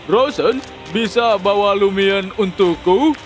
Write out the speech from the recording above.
rosen bisa bawa lumion untukku